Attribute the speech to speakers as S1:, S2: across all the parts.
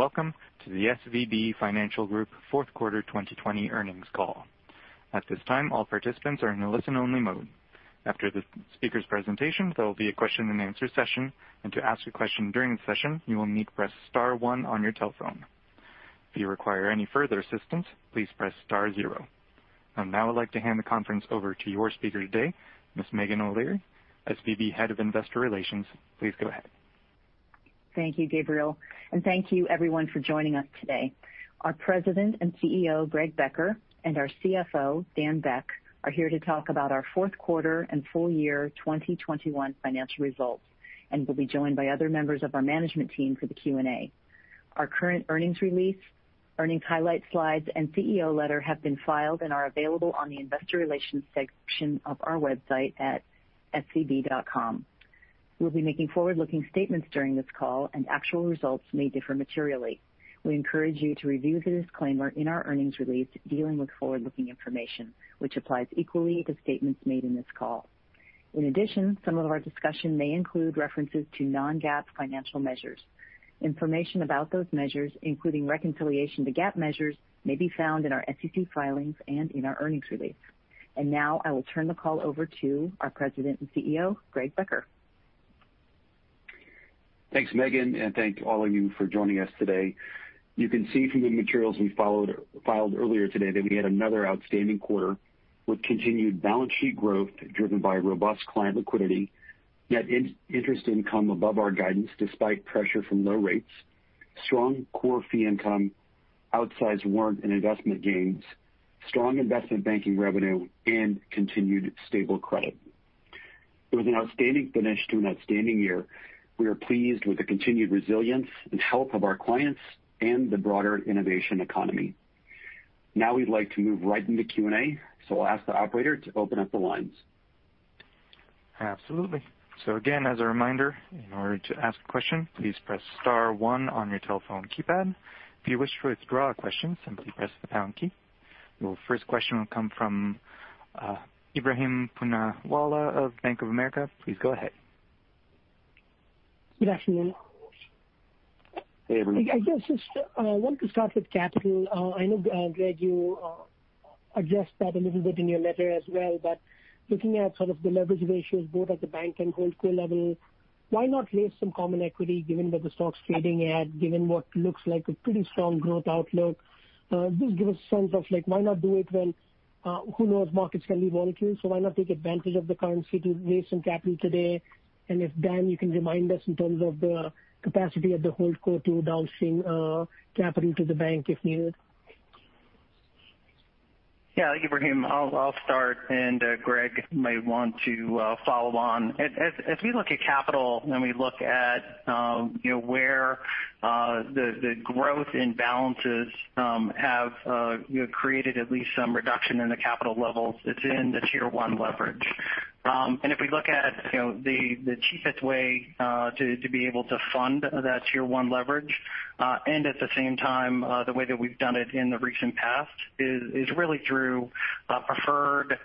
S1: Welcome to the SVB Financial Group Fourth Quarter 2020 Earnings Call. At this time, all participants are in a listen-only mode. After the speakers' presentation, there will be a question-and-answer session, and to ask a question during the session, you will need to press star one on your telephone. If you require any further assistance, please press star zero. I would now like to hand the conference over to your speaker today, Ms. Meghan O'Leary, SVB Head of Investor Relations. Please go ahead.
S2: Thank you, Gabriel. Thank you everyone for joining us today. Our President and CEO, Greg Becker, and our CFO, Dan Beck, are here to talk about our fourth quarter and full year 2021 financial results. We'll be joined by other members of our management team for the Q&A. Our current earnings release, earnings highlight slides, and CEO letter have been filed and are available on the investor relations section of our website at svb.com. We'll be making forward-looking statements during this call, and actual results may differ materially. We encourage you to review the disclaimer in our earnings release dealing with forward-looking information, which applies equally to statements made in this call. In addition, some of our discussion may include references to non-GAAP financial measures. Information about those measures, including reconciliation to GAAP measures, may be found in our SEC filings and in our earnings release. Now I will turn the call over to our President and CEO, Greg Becker.
S3: Thanks, Meghan, and thank all of you for joining us today. You can see from the materials we filed earlier today that we had another outstanding quarter with continued balance sheet growth driven by robust client liquidity, net interest income above our guidance despite pressure from low rates, strong core fee income, outsized warrant and investment gains, strong investment banking revenue, and continued stable credit. It was an outstanding finish to an outstanding year. We are pleased with the continued resilience and health of our clients and the broader innovation economy. Now we'd like to move right into Q&A. I'll ask the operator to open up the lines.
S1: Absolutely. Again, as a reminder, in order to ask a question, please press star one on your telephone keypad. If you wish to withdraw a question, simply press the pound key. Your first question will come from Ebrahim Poonawala of Bank of America. Please go ahead.
S4: Good afternoon.
S3: Hey, Ebrahim.
S4: I guess just wanted to start with capital. I know, Greg, you addressed that a little bit in your letter as well, but looking at sort of the leverage ratios both at the bank and holdco level, why not raise some common equity given that the stock's trading at, given what looks like a pretty strong growth outlook? Just give a sense of why not do it when, who knows, markets can be volatile, so why not take advantage of the currency to raise some capital today? If, Dan, you can remind us in terms of the capacity of the holdco to downstream capital to the bank if needed.
S5: Yeah. Ebrahim, I'll start. Greg may want to follow on. As we look at capital and we look at where the growth in balances have created at least some reduction in the capital levels, it's in the Tier 1 leverage. If we look at the cheapest way to be able to fund that Tier 1 leverage, and at the same time the way that we've done it in the recent past is really through preferred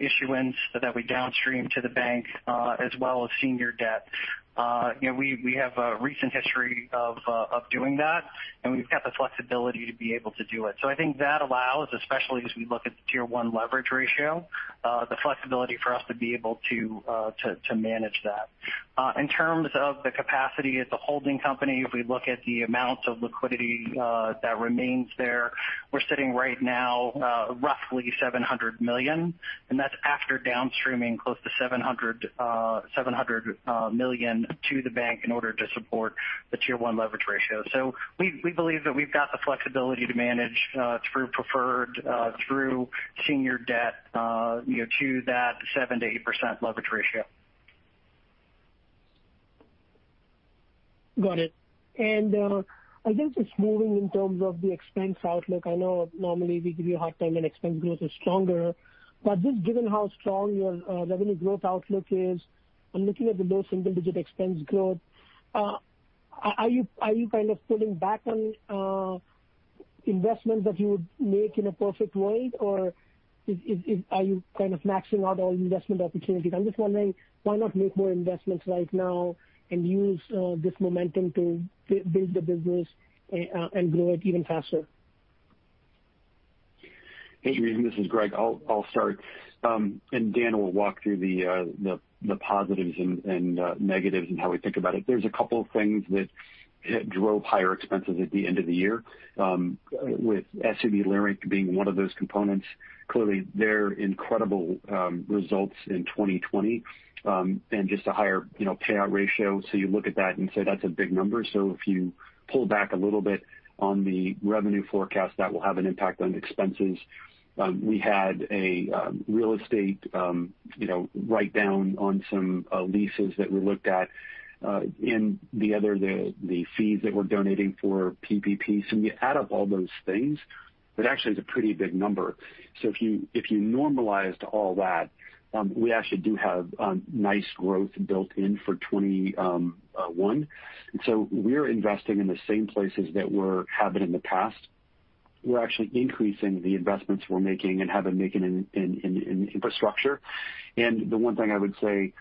S5: issuance that we downstream to the bank as well as senior debt. We have a recent history of doing that, and we've got the flexibility to be able to do it. I think that allows, especially as we look at the Tier 1 leverage ratio, the flexibility for us to be able to manage that. In terms of the capacity at the holding company, if we look at the amount of liquidity that remains there, we're sitting right now roughly $700 million, and that's after downstreaming close to $700 million to the bank in order to support the Tier 1 leverage ratio. We believe that we've got the flexibility to manage through preferred, through senior debt to that 7%-8% leverage ratio.
S4: Got it. I guess just moving in terms of the expense outlook, I know normally we give you a hard time when expense growth is stronger, but just given how strong your revenue growth outlook is and looking at the low single-digit expense growth, are you kind of pulling back on investments that you would make in a perfect world, or are you kind of maxing out all investment opportunities? I'm just wondering why not make more investments right now and use this momentum to build the business and grow it even faster?
S3: Hey, Ebrahim, this is Greg. I'll start, and Dan will walk through the positives and negatives and how we think about it. There's a couple of things that drove higher expenses at the end of the year, with SVB Leerink being one of those components. Clearly their incredible results in 2020 and just a higher payout ratio. You look at that and say, "That's a big number." If you pull back a little bit on the revenue forecast, that will have an impact on expenses. We had a real estate write-down on some leases that we looked at. In the other, the fees that we're donating for PPP. When you add up all those things, that actually is a pretty big number. If you normalized all that, we actually do have nice growth built in for 2021. We're investing in the same places that we have been in the past. We're actually increasing the investments we're making and have been making in infrastructure. The one thing I would say,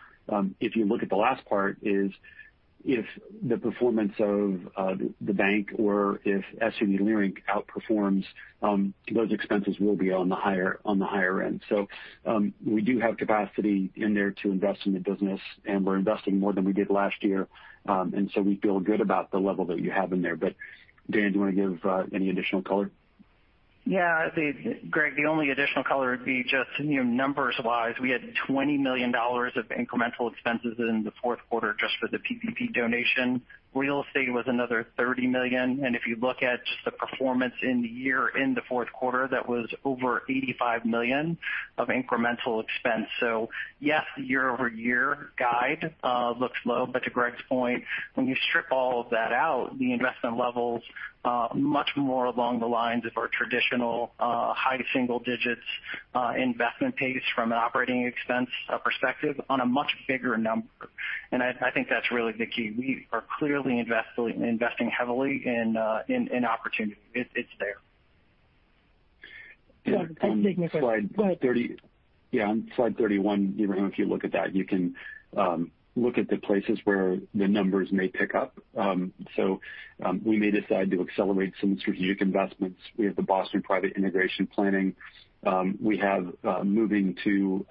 S3: if you look at the last part is, if the performance of the bank or if SVB Leerink outperforms, those expenses will be on the higher end. We do have capacity in there to invest in the business, and we're investing more than we did last year. We feel good about the level that you have in there. Dan, do you want to give any additional color?
S5: Yeah. Greg, the only additional color would be just numbers-wise. We had $20 million of incremental expenses in the fourth quarter just for the PPP donation. Real estate was another $30 million. If you look at just the performance in the year in the fourth quarter, that was over $85 million of incremental expense. Yes, the year-over-year guide looks low. To Greg's point, when you strip all of that out, the investment level's much more along the lines of our traditional high single digits investment pace from an operating expense perspective on a much bigger number. I think that's really the key. We are clearly investing heavily in opportunity. It's there.
S4: Got it. Thank you. Greg, go ahead.
S3: On slide 31, Ebrahim, if you look at that, you can look at the places where the numbers may pick up. We may decide to accelerate some strategic investments. We have the Boston Private integration planning. We have moving to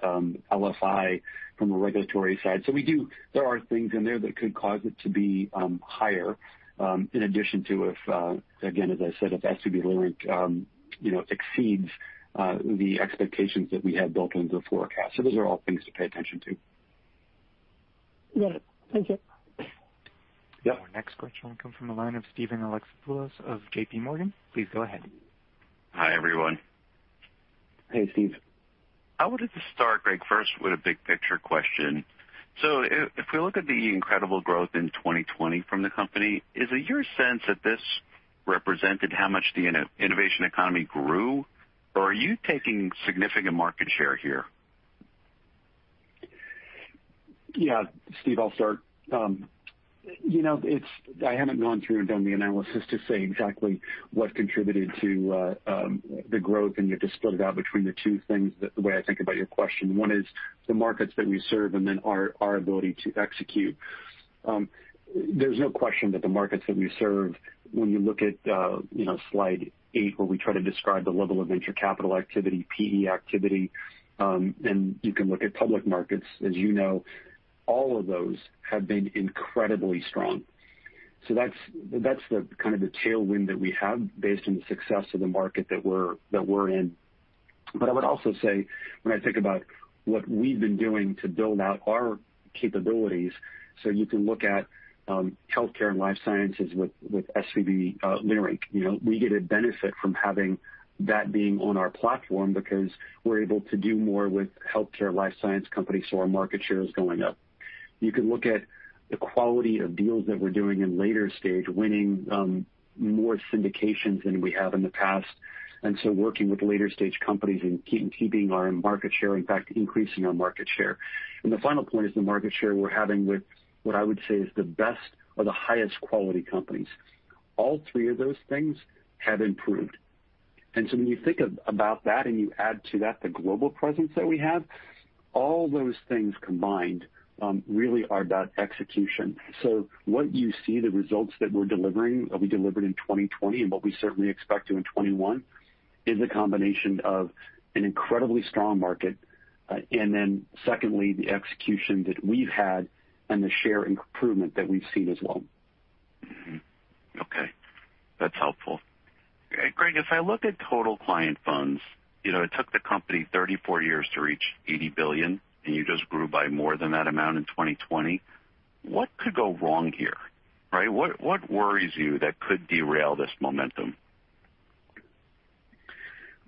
S3: LFI from a regulatory side. There are things in there that could cause it to be higher. In addition to if, again, as I said, if SVB Leerink exceeds the expectations that we had built into the forecast. Those are all things to pay attention to.
S4: Got it. Thank you.
S3: Yeah.
S1: Our next question will come from the line of Steven Alexopoulos of JPMorgan. Please go ahead.
S6: Hi, everyone.
S3: Hey, Steve.
S6: I wanted to start, Greg, first with a big picture question. If we look at the incredible growth in 2020 from the company, is it your sense that this represented how much the innovation economy grew, or are you taking significant market share here?
S3: Steve, I'll start. I haven't gone through and done the analysis to say exactly what contributed to the growth and to split it out between the two things, the way I think about your question. One is the markets that we serve and then our ability to execute. There's no question that the markets that we serve, when you look at slide eight, where we try to describe the level of venture capital activity, PE activity, and you can look at public markets. As you know, all of those have been incredibly strong. That's kind of the tailwind that we have based on the success of the market that we're in. I would also say, when I think about what we've been doing to build out our capabilities, you can look at healthcare and life sciences with SVB Leerink. We get a benefit from having that being on our platform because we're able to do more with healthcare life science companies, so our market share is going up. You can look at the quality of deals that we're doing in later stage, winning more syndications than we have in the past, so working with later stage companies and keeping our market share, in fact, increasing our market share. The final point is the market share we're having with what I would say is the best or the highest quality companies. All three of those things have improved. When you think about that and you add to that the global presence that we have, all those things combined really are about execution. What you see, the results that we're delivering, that we delivered in 2020 and what we certainly expect to in 2021, is a combination of an incredibly strong market, and then secondly, the execution that we've had and the share improvement that we've seen as well.
S6: Mm-hmm. Okay. That's helpful. Greg, if I look at total client funds, it took the company 34 years to reach $80 billion, and you just grew by more than that amount in 2020. What could go wrong here? What worries you that could derail this momentum?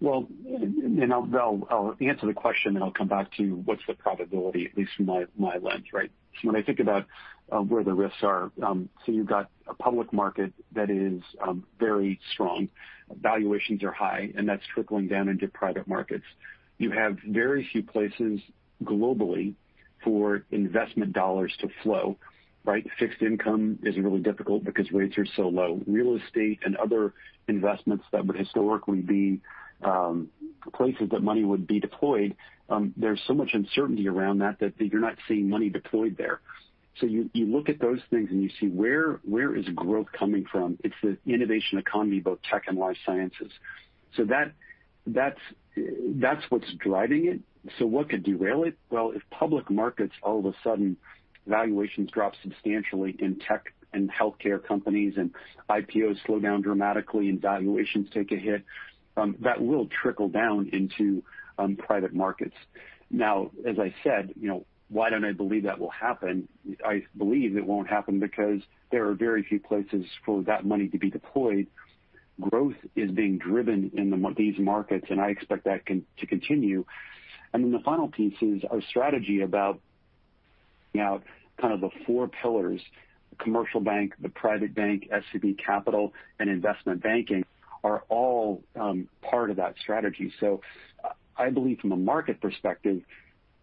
S3: Well, I'll answer the question, I'll come back to what's the probability, at least from my lens. When I think about where the risks are, you've got a public market that is very strong. Valuations are high, that's trickling down into private markets. You have very few places globally for investment dollars to flow. Fixed income is really difficult because rates are so low. Real estate and other investments that would historically be places that money would be deployed, there's so much uncertainty around that that you're not seeing money deployed there. You look at those things you see where is growth coming from? It's the innovation economy, both tech and life sciences. That's what's driving it. What could derail it? If public markets all of a sudden valuations drop substantially in Tech and Healthcare companies and IPOs slow down dramatically and valuations take a hit, that will trickle down into private markets. As I said, why don't I believe that will happen? I believe it won't happen because there are very few places for that money to be deployed. Growth is being driven in these markets, and I expect that to continue. The final piece is our strategy about kind of the four pillars, the commercial bank, the private bank, SVB Capital, and investment banking are all part of that strategy. I believe from a market perspective,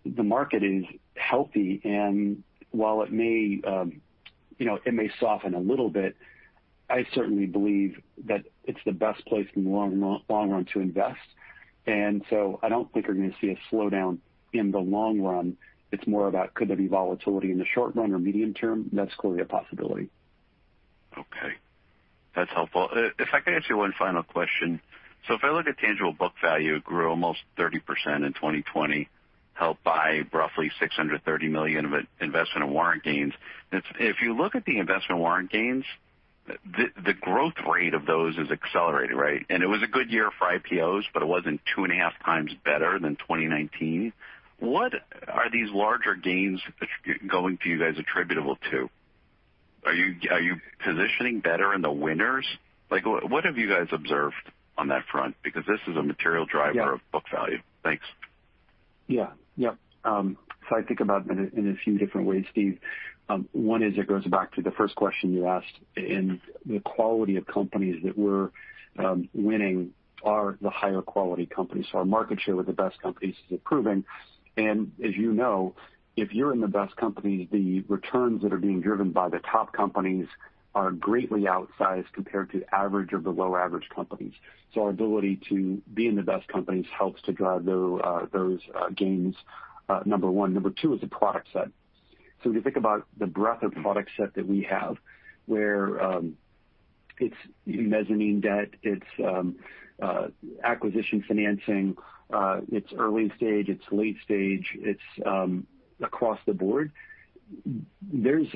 S3: the market is healthy, and while it may soften a little bit. I certainly believe that it's the best place in the long run to invest. I don't think you're going to see a slowdown in the long run. It's more about could there be volatility in the short run or medium term? That's clearly a possibility.
S6: Okay. That's helpful. If I could ask you one final question. If I look at tangible book value, it grew almost 30% in 2020, helped by roughly $630 million of investment and warrant gains. If you look at the investment warrant gains, the growth rate of those is accelerating, right? It was a good year for IPOs, but it wasn't two and a half times better than 2019. What are these larger gains going to you guys attributable to? Are you positioning better in the winners? What have you guys observed on that front? This is a material driver.
S3: Yeah
S6: of book value. Thanks.
S3: Yeah. I think about it in a few different ways, Steve. One is it goes back to the first question you asked in the quality of companies that we're winning are the higher quality companies. Our market share with the best companies is improving. As you know, if you're in the best companies, the returns that are being driven by the top companies are greatly outsized compared to average or below-average companies. Our ability to be in the best companies helps to drive those gains, number one. Number two is the product set. If you think about the breadth of product set that we have, where it's mezzanine debt, it's acquisition financing, it's early stage, it's late stage, it's across the board. There's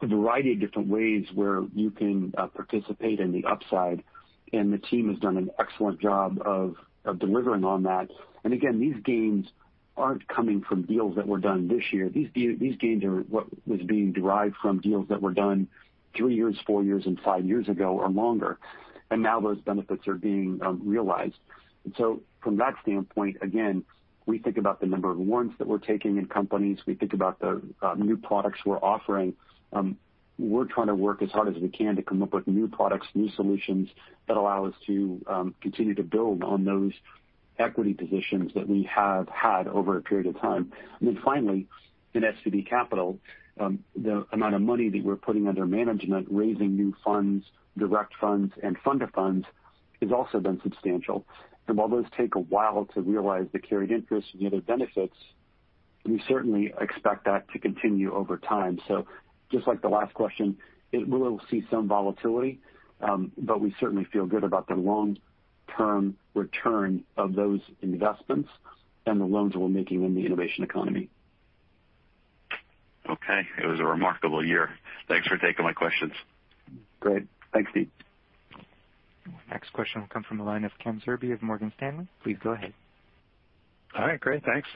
S3: a variety of different ways where you can participate in the upside, the team has done an excellent job of delivering on that. Again, these gains aren't coming from deals that were done this year. These gains are what was being derived from deals that were done three years, four years, and five years ago, or longer. Now those benefits are being realized. From that standpoint, again, we think about the number of warrants that we're taking in companies. We think about the new products we're offering. We're trying to work as hard as we can to come up with new products, new solutions that allow us to continue to build on those equity positions that we have had over a period of time. Then finally, in SVB Capital the amount of money that we're putting under management, raising new funds, direct funds, and fund of funds, has also been substantial. While those take a while to realize the carried interest and the other benefits, we certainly expect that to continue over time. Just like the last question, it will see some volatility, but we certainly feel good about the long-term return of those investments and the loans that we're making in the innovation economy.
S6: Okay. It was a remarkable year. Thanks for taking my questions.
S3: Great. Thanks, Steve.
S1: Next question will come from the line of Ken Zerbe of Morgan Stanley. Please go ahead.
S7: All right, great. Thanks.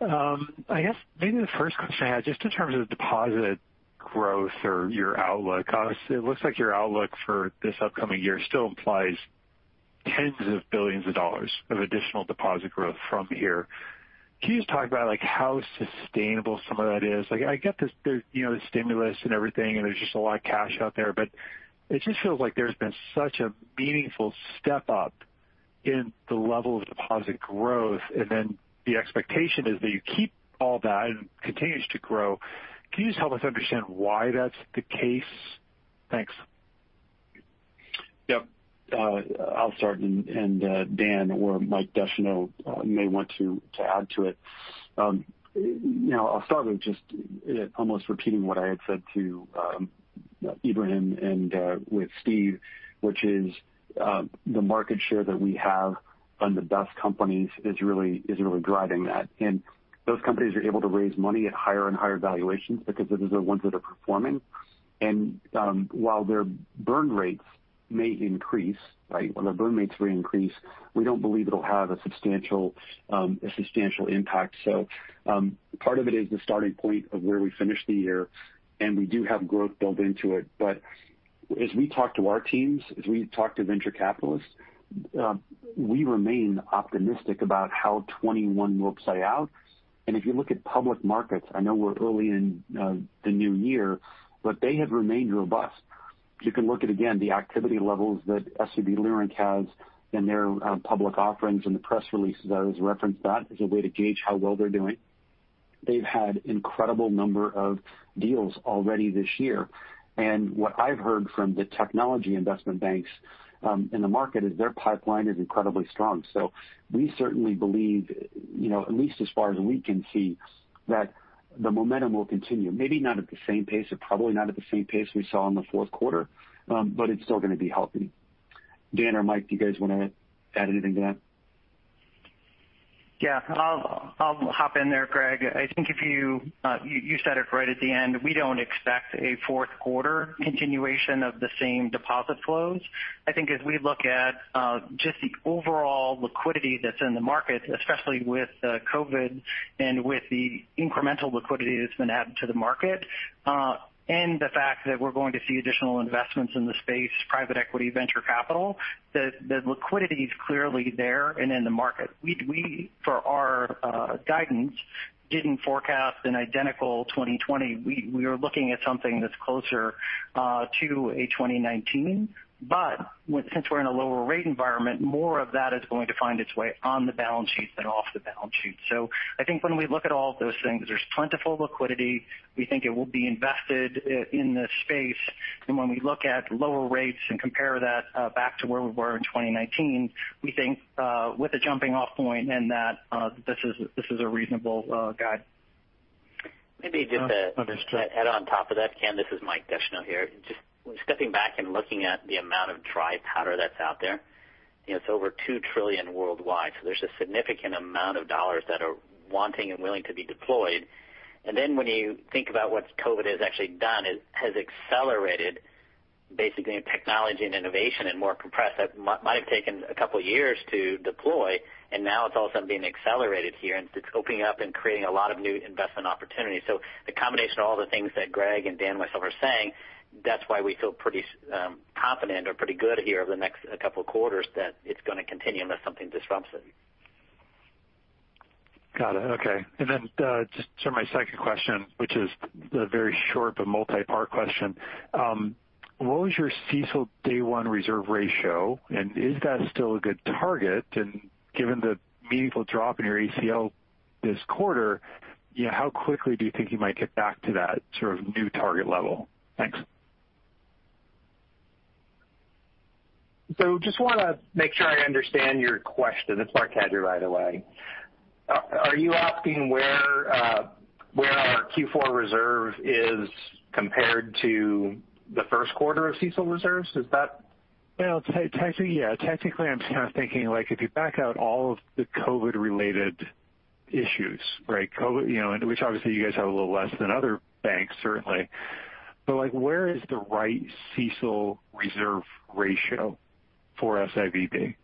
S7: I guess maybe the first question I had, just in terms of deposit growth or your outlook. It looks like your outlook for this upcoming year still implies tens of billions of dollars of additional deposit growth from here. Can you just talk about how sustainable some of that is? I get there's the stimulus and everything, and there's just a lot of cash out there, but it just feels like there's been such a meaningful step up in the level of deposit growth, and then the expectation is that you keep all that and it continues to grow. Can you just help us understand why that's the case? Thanks.
S3: Yep. I'll start. Dan or Mike Descheneaux may want to add to it. I'll start with just almost repeating what I had said to Ebrahim and with Steve, which is the market share that we have on the best companies is really driving that. Those companies are able to raise money at higher and higher valuations because those are the ones that are performing. While their burn rates may increase, we don't believe it'll have a substantial impact. Part of it is the starting point of where we finish the year, and we do have growth built into it. As we talk to our teams, as we talk to venture capitalists, we remain optimistic about how 2021 will play out. If you look at public markets, I know we're early in the new year, but they have remained robust. You can look at, again, the activity levels that SVB Leerink has in their public offerings and the press releases. I always reference that as a way to gauge how well they're doing. They've had incredible number of deals already this year. What I've heard from the technology investment banks in the market is their pipeline is incredibly strong. We certainly believe, at least as far as we can see, that the momentum will continue. Maybe not at the same pace, or probably not at the same pace we saw in the fourth quarter, but it's still going to be healthy. Dan or Mike, do you guys want to add anything to that?
S5: Yeah. I'll hop in there, Greg. I think you said it right at the end. We don't expect a fourth quarter continuation of the same deposit flows. I think as we look at just the overall liquidity that's in the market, especially with COVID and with the incremental liquidity that's been added to the market, and the fact that we're going to see additional investments in the space, private equity, venture capital, the liquidity's clearly there and in the market. Didn't forecast an identical 2020. We are looking at something that's closer to a 2019, but since we're in a lower rate environment, more of that is going to find its way on the balance sheet than off the balance sheet. I think when we look at all of those things, there's plentiful liquidity. We think it will be invested in this space. When we look at lower rates and compare that back to where we were in 2019, we think with a jumping off point then that this is a reasonable guide.
S8: Maybe just to-
S7: Understood add on top of that, Ken. This is Mike Descheneaux here. Just stepping back and looking at the amount of dry powder that's out there, it's over $2 trillion worldwide. There's a significant amount of dollars that are wanting and willing to be deployed. When you think about what COVID has actually done, it has accelerated basically technology and innovation and more compressed. That might have taken a couple of years to deploy, and now it's all of a sudden being accelerated here, and it's opening up and creating a lot of new investment opportunities. The combination of all the things that Greg and Dan and myself are saying, that's why we feel pretty confident or pretty good here over the next couple of quarters that it's going to continue unless something disrupts it. Got it. Okay. Just to my second question, which is a very short but multi-part question. What was your CECL Day One reserve ratio, and is that still a good target? Given the meaningful drop in your ACL this quarter, how quickly do you think you might get back to that sort of new target level? Thanks.
S9: Just want to make sure I understand your question. It's Marc Cadieux, by the way. Are you asking where our Q4 reserve is compared to the first quarter of CECL reserves? Is that?
S7: Well, technically, yeah. Technically, I'm kind of thinking like if you back out all of the COVID-related issues, right? Which obviously you guys have a little less than other banks, certainly. Where is the right CECL reserve ratio for SIVB?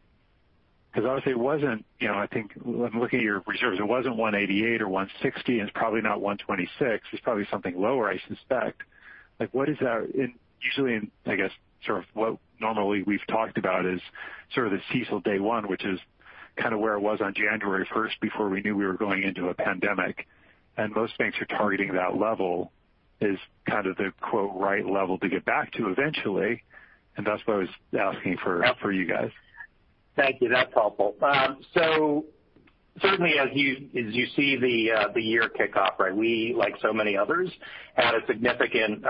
S7: Obviously it wasn't, I think when looking at your reserves, it wasn't 188 or 160, and it's probably not 126. It's probably something lower, I suspect. Like what is that? Usually in, I guess, sort of what normally we've talked about is sort of the CECL Day One, which is kind of where it was on January 1st before we knew we were going into a pandemic. Most banks are targeting that level is kind of the quote, "right level" to get back to eventually, and that's what I was asking for you guys.
S9: Thank you. That's helpful. Certainly as you see the year kick off, right, we, like so many others, had a significant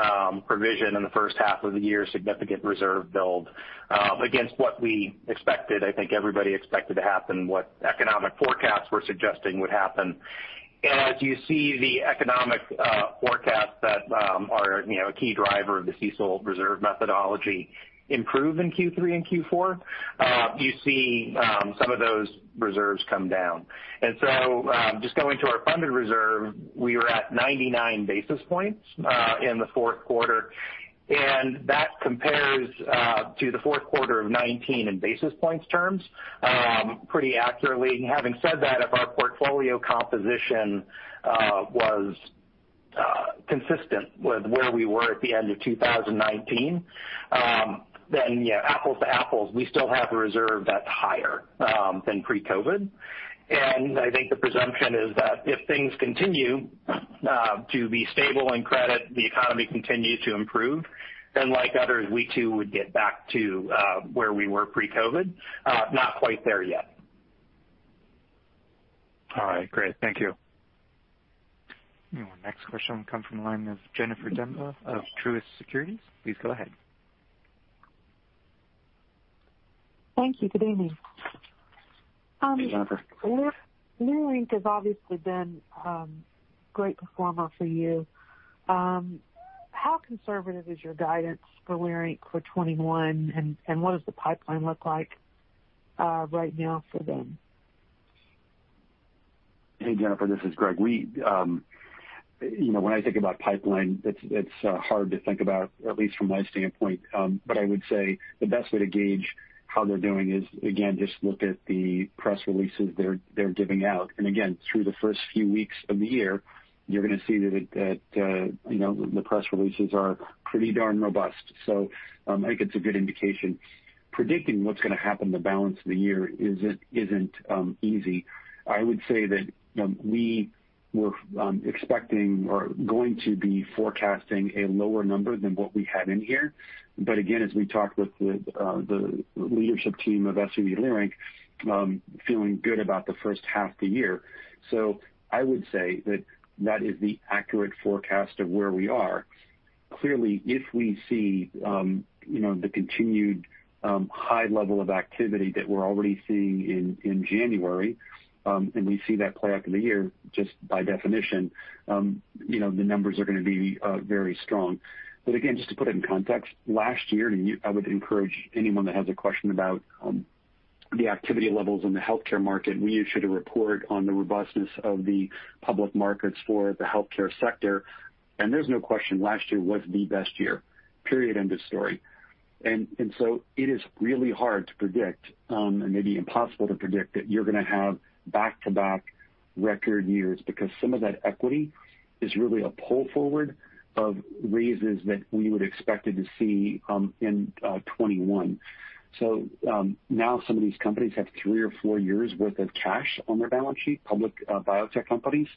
S9: provision in the first half of the year, significant reserve build against what we expected, I think everybody expected to happen, what economic forecasts were suggesting would happen. As you see the economic forecasts that are a key driver of the CECL reserve methodology improve in Q3 and Q4, you see some of those reserves come down. Just going to our funded reserve, we are at 99 basis points in the fourth quarter, and that compares to the fourth quarter of 2019 in basis points terms pretty accurately. Having said that, if our portfolio composition was consistent with where we were at the end of 2019, then yeah, apples to apples, we still have a reserve that's higher than pre-COVID. I think the presumption is that if things continue to be stable in credit, the economy continues to improve, then like others, we too would get back to where we were pre-COVID. Not quite there yet.
S7: All right, great. Thank you.
S1: Next question will come from the line of Jennifer Demba of Truist Securities. Please go ahead.
S10: Thank you. Good evening.
S3: Hey, Jennifer.
S10: SVB Leerink has obviously been a great performer for you. How conservative is your guidance for SVB Leerink for 2021, and what does the pipeline look like right now for them?
S3: Hey, Jennifer, this is Greg. When I think about pipeline, it's hard to think about, at least from my standpoint. I would say the best way to gauge how they're doing is, again, just look at the press releases they're giving out. Again, through the first few weeks of the year, you're going to see that the press releases are pretty darn robust. I think it's a good indication. Predicting what's going to happen the balance of the year isn't easy. I would say that we were expecting or going to be forecasting a lower number than what we had in here. Again, as we talked with the leadership team of SVB Leerink, feeling good about the first half of the year. I would say that that is the accurate forecast of where we are. Clearly, if we see the continued high level of activity that we're already seeing in January, and we see that play out in the year, just by definition the numbers are going to be very strong. Again, just to put it in context, last year, and I would encourage anyone that has a question about the activity levels in the healthcare market, we issued a report on the robustness of the public markets for the healthcare sector, and there's no question last year was the best year, period, end of story. It is really hard to predict, and maybe impossible to predict that you're going to have back-to-back record years because some of that equity is really a pull forward of raises that we would expected to see in 2021. Now some of these companies have three or four years worth of cash on their balance sheet, public biotech companies.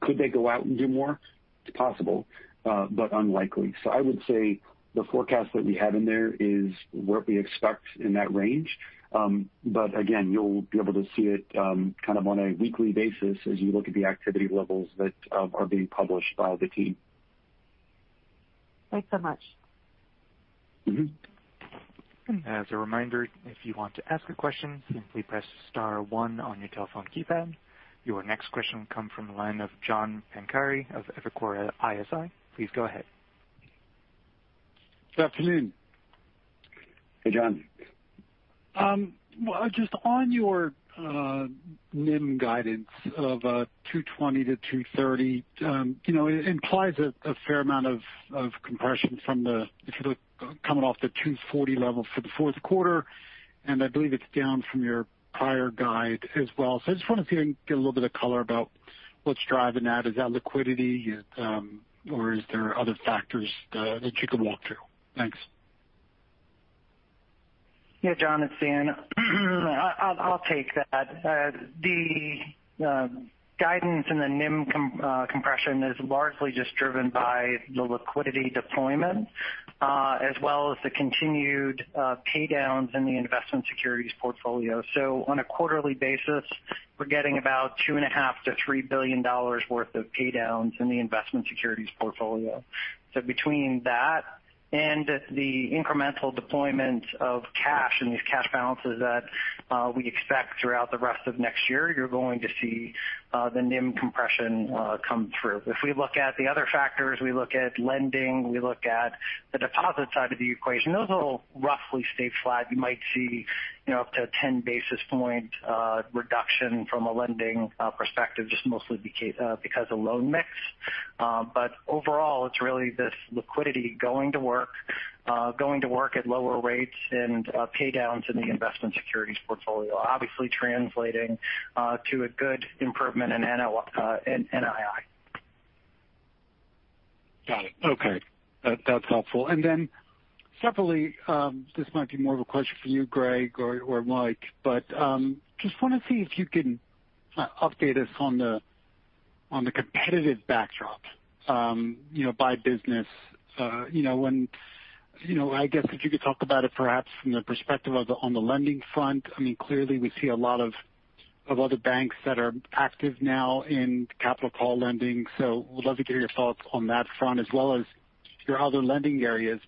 S3: Could they go out and do more? It's possible, but unlikely. I would say the forecast that we have in there is what we expect in that range. Again, you'll be able to see it on a weekly basis as you look at the activity levels that are being published by the team.
S10: Thanks so much.
S1: As a reminder, if you want to ask a question, simply press star one on your telephone keypad. Your next question will come from the line of John Pancari of Evercore ISI. Please go ahead.
S11: Good afternoon.
S3: Hey, John.
S11: Just on your NIM guidance of 220 to 230, it implies a fair amount of compression if you look coming off the 240 level for the fourth quarter, and I believe it's down from your prior guide as well. I just wanted to get a little bit of color about what's driving that. Is that liquidity, or is there other factors that you could walk through? Thanks.
S5: Yeah, John, it's Dan. I'll take that. The guidance in the NIM compression is largely just driven by the liquidity deployment, as well as the continued pay downs in the investment securities portfolio. On a quarterly basis, we're getting about $2.5 billion-$3 billion worth of pay downs in the investment securities portfolio. Between that and the incremental deployment of cash and these cash balances that we expect throughout the rest of next year, you're going to see the NIM compression come through. If we look at the other factors, we look at lending, we look at the deposit side of the equation, those will roughly stay flat. You might see up to a 10-basis-point reduction from a lending perspective, just mostly because of loan mix. Overall, it's really this liquidity going to work at lower rates and pay downs in the investment securities portfolio, obviously translating to a good improvement in NII.
S11: Got it. Okay. That's helpful. Separately, this might be more of a question for you, Greg or Mike, but just want to see if you can update us on the competitive backdrop by business. I guess if you could talk about it perhaps from the perspective on the lending front. Clearly we see a lot of other banks that are active now in capital call lending. Would love to hear your thoughts on that front as well as your other lending areas.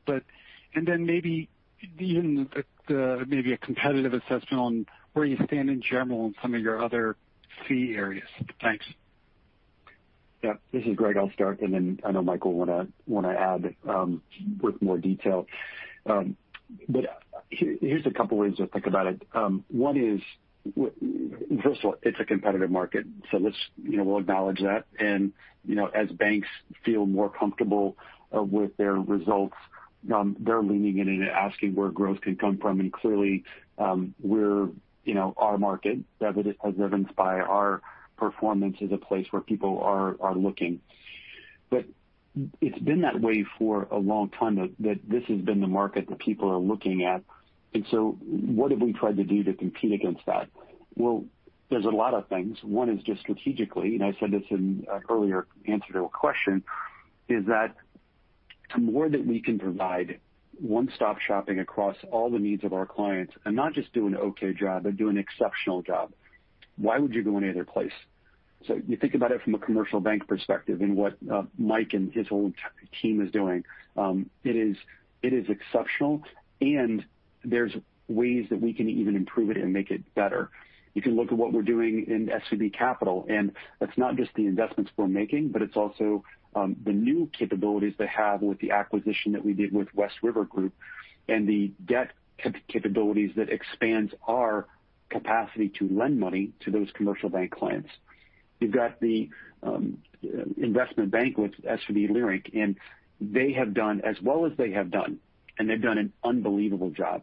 S11: Maybe a competitive assessment on where you stand in general in some of your other fee areas. Thanks.
S3: Yeah. This is Greg. I'll start, and then I know Mike want to add with more detail. Here's a couple ways to think about it. One is, first of all, it's a competitive market. We'll acknowledge that. As banks feel more comfortable with their results, they're leaning in and asking where growth can come from. Clearly our market, as evidenced by our performance, is a place where people are looking. It's been that way for a long time, that this has been the market that people are looking at. What have we tried to do to compete against that? Well, there's a lot of things. One is just strategically, I said this in an earlier answer to a question, is that the more that we can provide one-stop shopping across all the needs of our clients and not just do an okay job, but do an exceptional job, why would you go any other place? You think about it from a commercial bank perspective and what Mike and his whole team is doing. It is exceptional, and there's ways that we can even improve it and make it better. You can look at what we're doing in SVB Capital, and that's not just the investments we're making, but it's also the new capabilities they have with the acquisition that we did with WestRiver Group and the debt capabilities that expands our capacity to lend money to those commercial bank clients. You've got the investment bank with SVB Leerink, and as well as they have done, and they've done an unbelievable job,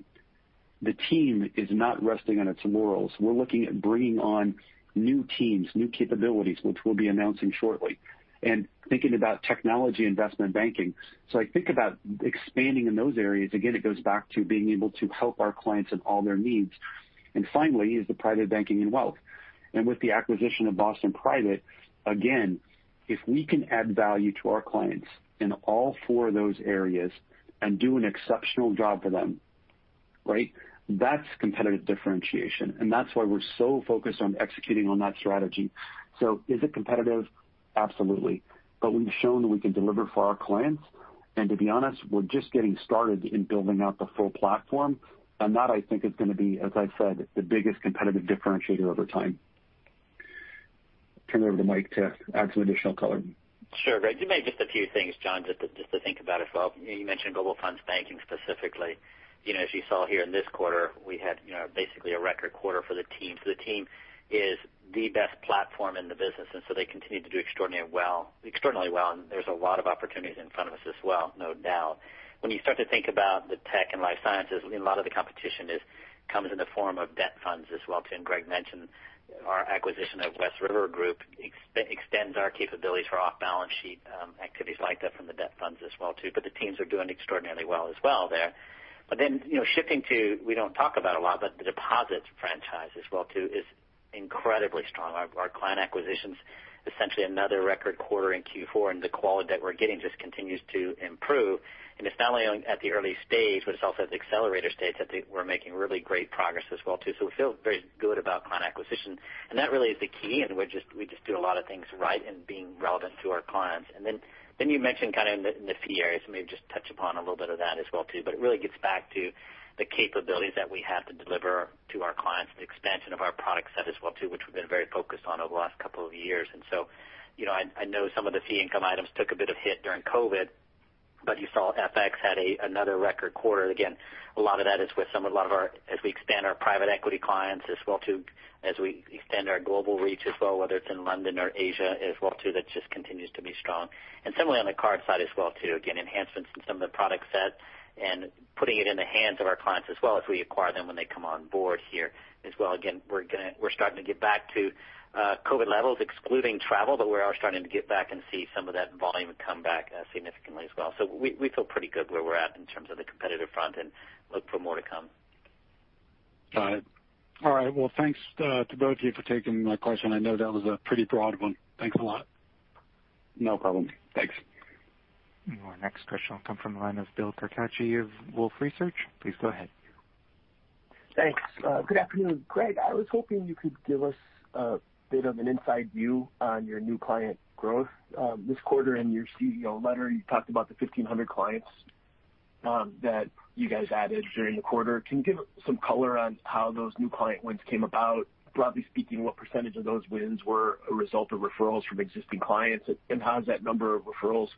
S3: the team is not resting on its laurels. We're looking at bringing on new teams, new capabilities, which we'll be announcing shortly, and thinking about technology investment banking. I think about expanding in those areas. Again, it goes back to being able to help our clients in all their needs. Finally, is the private banking and wealth. With the acquisition of Boston Private, again, if we can add value to our clients in all four of those areas and do an exceptional job for them, that's competitive differentiation, and that's why we're so focused on executing on that strategy. Is it competitive? Absolutely. We've shown that we can deliver for our clients. To be honest, we're just getting started in building out the full platform. That I think is going to be, as I've said, the biggest competitive differentiator over time. Turn it over to Mike to add some additional color.
S8: Sure, Greg. Maybe just a few things, John, just to think about as well. You mentioned global funds banking specifically. As you saw here in this quarter, we had basically a record quarter for the team. The team is the best platform in the business, they continue to do extraordinarily well, there's a lot of opportunities in front of us as well, no doubt. When you start to think about the tech and life sciences, a lot of the competition is Comes in the form of debt funds as well too. Greg mentioned our acquisition of WestRiver Group extends our capabilities for off-balance sheet activities like that from the debt funds as well too. The teams are doing extraordinarily well there. Shifting to, we don't talk about it a lot. The deposits franchise as well too is incredibly strong. Our client acquisition's essentially another record quarter in Q4. The quality that we're getting just continues to improve. It's not only at the early stage. It's also at the accelerator stage that we're making really great progress as well too. We feel very good about client acquisition. That really is the key. We just do a lot of things right in being relevant to our clients. You mentioned kind of in the fee areas, maybe just touch upon a little bit of that as well too, but it really gets back to the capabilities that we have to deliver to our clients and expansion of our product set as well too, which we've been very focused on over the last couple of years. I know some of the fee income items took a bit of hit during COVID, but you saw FX had another record quarter. Again, a lot of that is with as we expand our private equity clients as well too, as we extend our global reach as well, whether it's in London or Asia as well too, that just continues to be strong. Similarly on the card side as well too, again, enhancements in some of the product set and putting it in the hands of our clients as well as we acquire them when they come on board here as well. Again, we're starting to get back to COVID levels, excluding travel, but we are starting to get back and see some of that volume come back significantly as well. We feel pretty good where we're at in terms of the competitive front and look for more to come.
S11: Got it. All right. Well, thanks to both of you for taking my question. I know that was a pretty broad one. Thanks a lot.
S8: No problem.
S3: Thanks.
S1: Our next question will come from the line of Bill Carcache of Wolfe Research. Please go ahead.
S12: Thanks. Good afternoon, Greg. I was hoping you could give us a bit of an inside view on your new client growth this quarter. In your CEO letter, you talked about the 1,500 clients that you guys added during the quarter. Can you give some color on how those new client wins came about? Broadly speaking, what percentage of those wins were a result of referrals from existing clients? How has that number of referrals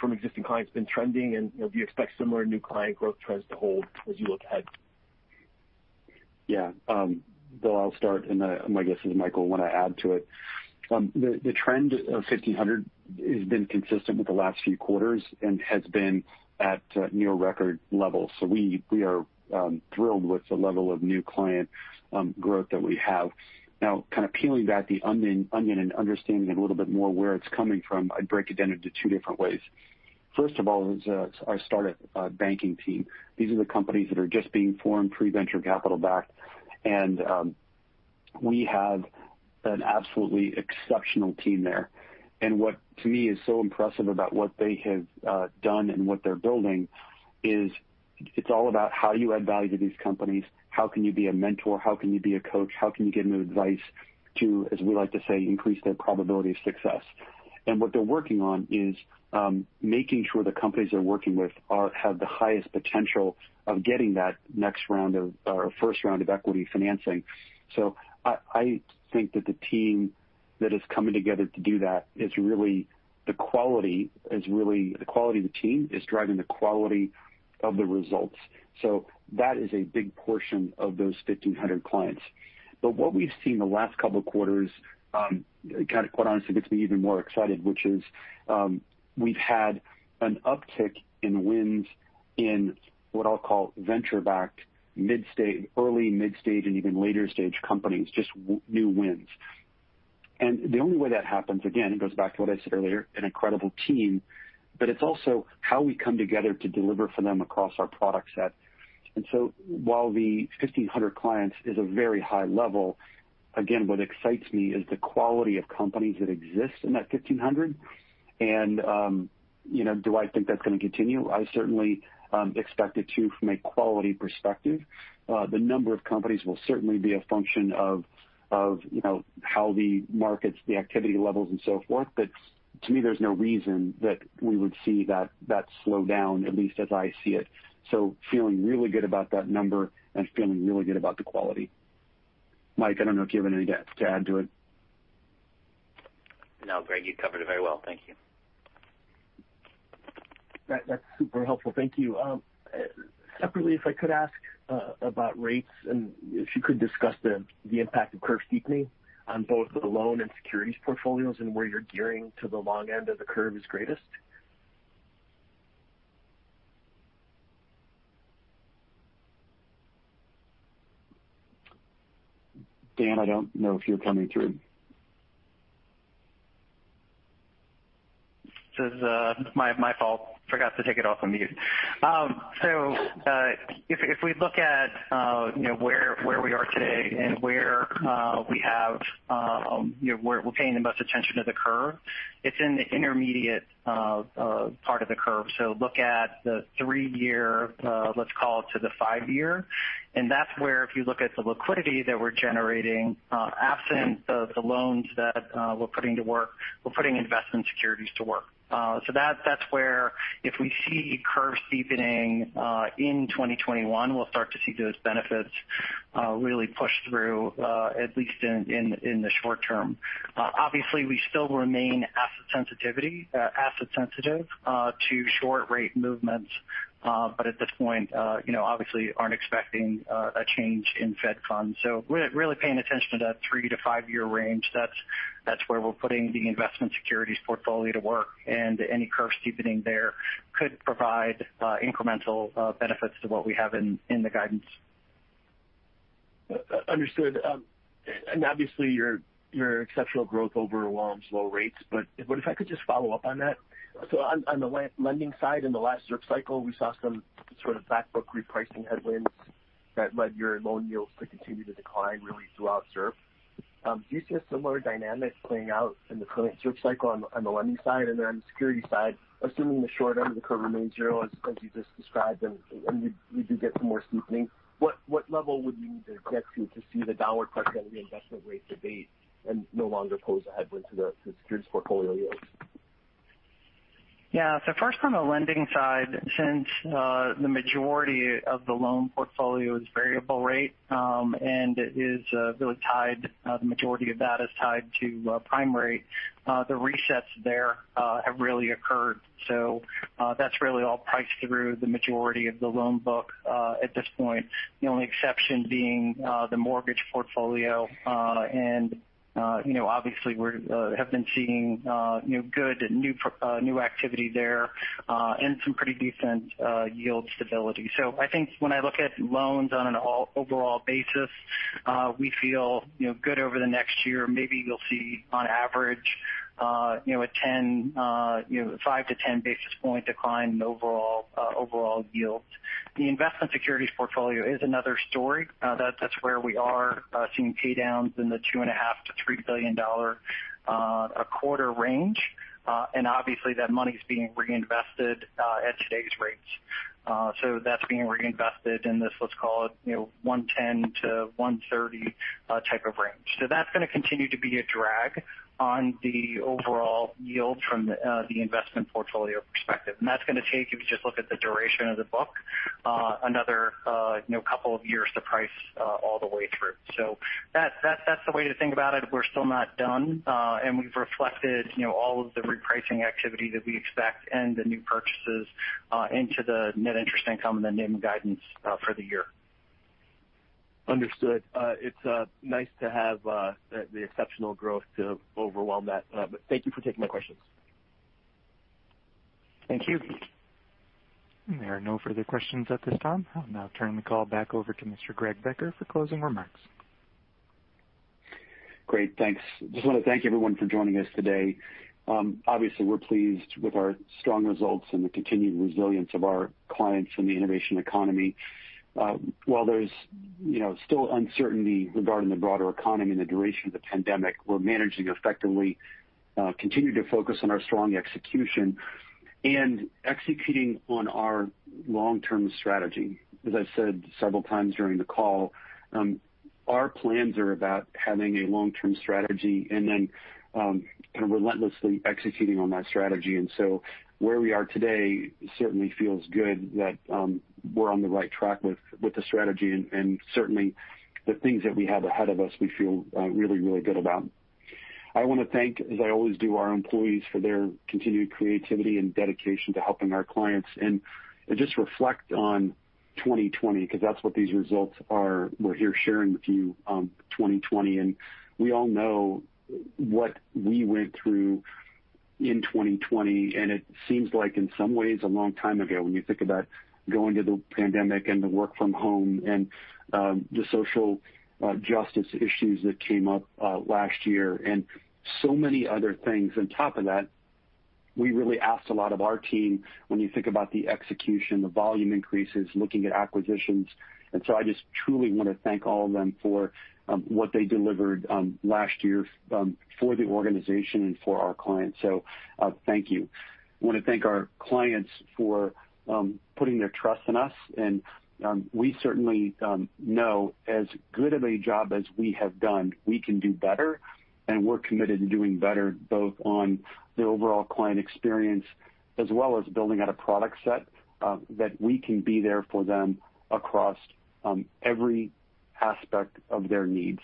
S12: from existing clients been trending? Do you expect similar new client growth trends to hold as you look ahead?
S3: Yeah. Bill, I'll start. My guess is Michael will want to add to it. The trend of 1,500 has been consistent with the last few quarters and has been at near record levels. We are thrilled with the level of new client growth that we have. Now, kind of peeling back the onion and understanding it a little bit more where it's coming from, I'd break it into two different ways. First of all is our startup banking team. These are the companies that are just being formed pre-venture capital backed. We have an absolutely exceptional team there. What to me is so impressive about what they have done and what they're building is it's all about how you add value to these companies. How can you be a mentor? How can you be a coach? How can you give them advice to, as we like to say, increase their probability of success? What they're working on is making sure the companies they're working with have the highest potential of getting that next round of or first round of equity financing. I think that the team that is coming together to do that is really the quality of the team is driving the quality of the results. That is a big portion of those 1,500 clients. What we've seen the last couple of quarters kind of, quite honestly, gets me even more excited, which is we've had an uptick in wins in what I'll call venture-backed early mid-stage, and even later stage companies, just new wins. The only way that happens, again, it goes back to what I said earlier, an incredible team, but it's also how we come together to deliver for them across our product set. While the 1,500 clients is a very high level, again, what excites me is the quality of companies that exist in that 1,500. Do I think that's going to continue? I certainly expect it to from a quality perspective. The number of companies will certainly be a function of how the markets, the activity levels and so forth. To me, there's no reason that we would see that slow down, at least as I see it. Feeling really good about that number and feeling really good about the quality. Mike, I don't know if you have anything to add to it.
S8: No, Greg, you covered it very well. Thank you.
S12: That's super helpful. Thank you. Separately, if I could ask about rates, and if you could discuss the impact of curve steepening on both the loan and securities portfolios, and where you're gearing to the long end of the curve is greatest.
S3: Dan, I don't know if you're coming through.
S5: This is my fault. Forgot to take it off of mute. If we look at where we are today and where we're paying the most attention to the curve, it's in the intermediate part of the curve. Look at the three-year let's call it to the five-year. That's where if you look at the liquidity that we're generating, absent the loans that we're putting to work, we're putting investment securities to work. That's where if we see curve steepening in 2021, we'll start to see those benefits really push through at least in the short term. Obviously, we still remain asset sensitive to short rate movements. At this point obviously aren't expecting a change in Fed funds. We're really paying attention to that three to five year range. That's where we're putting the investment securities portfolio to work, and any curve steepening there could provide incremental benefits to what we have in the guidance.
S12: Understood. Obviously your exceptional growth overwhelms low rates. What if I could just follow up on that? On the lending side, in the last ZIRP cycle, we saw some sort of back book repricing headwinds that led your loan yields to continue to decline really throughout ZIRP. Do you see a similar dynamic playing out in the current ZIRP cycle on the lending side and on the security side, assuming the short end of the curve remains zero as you just described, and we do get some more steepening? What level would you need to get to to see the downward pressure on the investment rates abate and no longer pose a headwind to the securities portfolio yields?
S5: Yeah. First, on the lending side, since the majority of the loan portfolio is variable rate and the majority of that is tied to prime rate, the resets there have really occurred. That's really all priced through the majority of the loan book at this point. The only exception being the mortgage portfolio. Obviously we have been seeing good new activity there, and some pretty decent yield stability. I think when I look at loans on an overall basis, we feel good over the next year. Maybe you'll see, on average, a 5 to 10 basis point decline in overall yields. The investment securities portfolio is another story. That's where we are seeing pay downs in the $2.5 billion-$3 billion a quarter range. Obviously that money's being reinvested at today's rates. That's being reinvested in this, let's call it, 110-130 type of range. That's going to continue to be a drag on the overall yield from the investment portfolio perspective. That's going to take, if you just look at the duration of the book, another couple of years to price all the way through. That's the way to think about it. We're still not done. We've reflected all of the repricing activity that we expect and the new purchases into the net interest income and the NIM guidance for the year.
S12: Understood. It's nice to have the exceptional growth to overwhelm that. Thank you for taking my questions.
S5: Thank you.
S1: There are no further questions at this time. I'll now turn the call back over to Mr. Greg Becker for closing remarks.
S3: Great, thanks. Just want to thank everyone for joining us today. Obviously, we're pleased with our strong results and the continued resilience of our clients in the innovation economy. While there's still uncertainty regarding the broader economy and the duration of the pandemic, we're managing effectively, continue to focus on our strong execution, and executing on our long-term strategy. As I've said several times during the call, our plans are about having a long-term strategy and then kind of relentlessly executing on that strategy. Where we are today certainly feels good that we're on the right track with the strategy and certainly the things that we have ahead of us, we feel really, really good about. I want to thank, as I always do, our employees for their continued creativity and dedication to helping our clients. Just reflect on 2020, because that's what these results are we're here sharing with you, 2020. We all know what we went through in 2020, and it seems like in some ways, a long time ago, when you think about going to the pandemic and the work from home and the social justice issues that came up last year and so many other things on top of that. We really asked a lot of our team when you think about the execution, the volume increases, looking at acquisitions. I just truly want to thank all of them for what they delivered last year for the organization and for our clients. So, thank you. want to thank our clients for putting their trust in us. We certainly know as good of a job as we have done, we can do better, and we're committed to doing better, both on the overall client experience as well as building out a product set that we can be there for them across every aspect of their needs.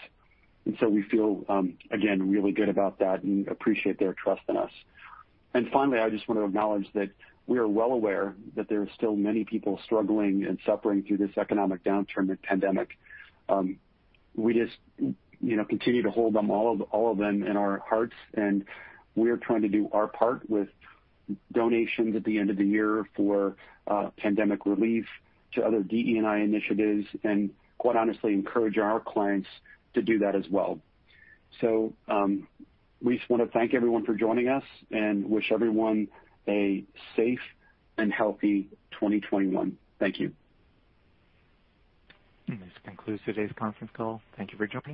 S3: We feel, again, really good about that and appreciate their trust in us. Finally, I just want to acknowledge that we are well aware that there are still many people struggling and suffering through this economic downturn and pandemic. We just continue to hold all of them in our hearts, and we are trying to do our part with donations at the end of the year for pandemic relief to other DE&I initiatives, and quite honestly, encourage our clients to do that as well. We just want to thank everyone for joining us and wish everyone a safe and healthy 2021. Thank you.
S1: This concludes today's conference call. Thank you for joining.